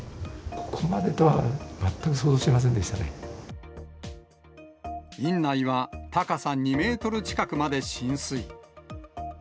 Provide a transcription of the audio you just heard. ここまでとは全く想像しませんで院内は高さ２メートル近くまで浸水。